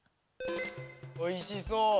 おいしそう。